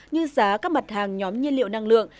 như giá các mặt hàng nhóm nhiên liệu năng lượng